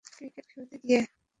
Cricket খেলতে গিয়ে।